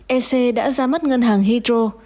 ec đã ra mắt ngân hàng hydro